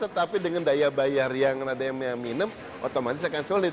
tetapi dengan daya bayar yang ada yang minum otomatis akan sulit